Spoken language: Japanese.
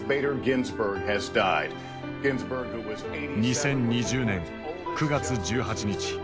２０２０年９月１８日。